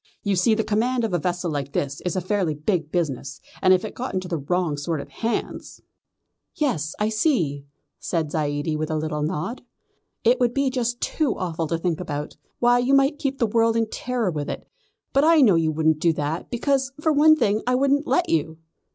You see the command of a vessel like this is a fairly big business, and if it got into the wrong sort of hands " "Yes, I see," said Zaidie with a little nod. "It would be just too awful to think about. Why you might keep the world in terror with it; but I know you wouldn't do that, because, for one thing, I wouldn't let you."